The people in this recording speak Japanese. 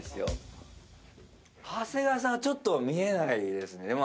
長谷川さんはちょっと見えないですね。